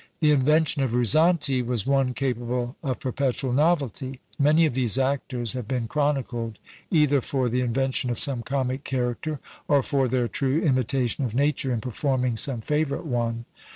The invention of Ruzzante was one capable of perpetual novelty. Many of these actors have been chronicled either for the invention of some comic character, or for their true imitation of nature in performing some favourite one.